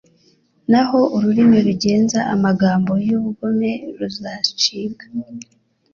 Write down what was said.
naho ururimi rugenza amagambo y’ubugome ruzacibwa